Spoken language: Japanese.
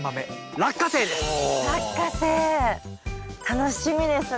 楽しみですね。